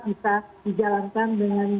bisa dijalankan dengan